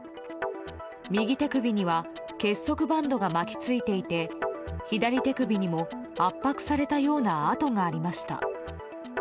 右手首には結束バンドが巻き付いていて左手首にも圧迫されたような痕がありました。